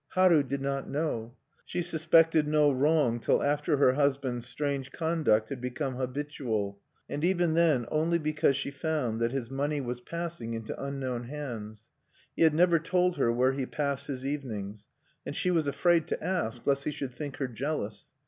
Haru did not know. She suspected no wrong till after her husband's strange conduct had become habitual, and even then only because she found that his money was passing into unknown hands. He had never told her where he passed his evenings. And she was afraid to ask, lest he should think her jealous.